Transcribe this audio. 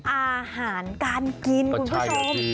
อาหารการกินคุณผู้ชม